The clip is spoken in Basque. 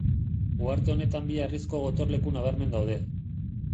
Uharte honetan bi harrizko gotorleku nabarmen daude.